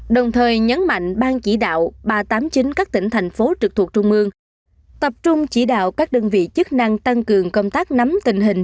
đồng thời nhấn mạnh ban chỉ đạo ba trăm tám mươi chín các tỉnh thành phố trực thuộc trung mương tập trung chỉ đạo các đơn vị chức năng tăng cường công tác nắm tình hình